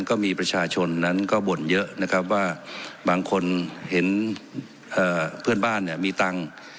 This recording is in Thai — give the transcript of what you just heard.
ก็มีประชาชนนั้นก็บ่นเยอะนะครับว่าบางคนเห็นเพื่อนบ้านเนี่ยมีตังค์